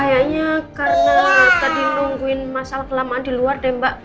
kayaknya karena tadi nungguin masalah kelamaan di luar deh mbak